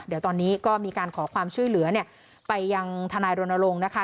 เดี๋ยวตอนนี้ก็มีการขอความช่วยเหลือไปยังทนายรณรงค์นะคะ